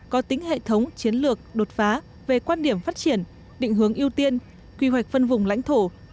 có tính hệ thống chiến lược đột phá về quan điểm phát triển định hướng ưu tiên quy hoạch phân vùng lãnh thổ